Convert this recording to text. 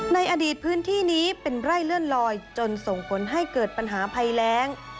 ในอดีตพื้นที่นี้เป็นไร่เลื่อนลอยจนส่งผลให้เกิดปัญหาภัยแรง